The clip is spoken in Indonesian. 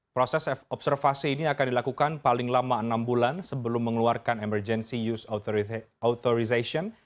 proses observasi ini akan dilakukan paling lama enam bulan sebelum mengeluarkan emergency use authorization